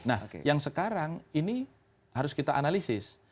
nah yang sekarang ini harus kita analisis